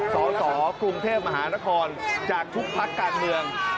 สสกรุงเทพมหานครจากทุกพักการเมือง